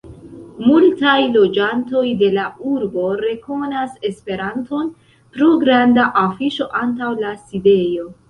Multaj loĝantoj de la urbo rekonas Esperanton pro granda afiŝo antaŭ la sidejo.